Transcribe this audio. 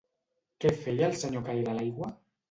Què feia el senyor que era a l'aigua?